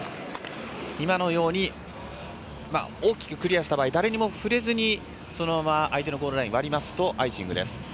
今のように大きくクリアした場合誰にも触れずにそのまま相手のゴールラインを割りますと、アイシングです。